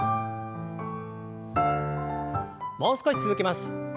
もう少し続けます。